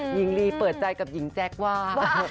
หญิงลีเปิดใจกับหญิงแจ๊คว่า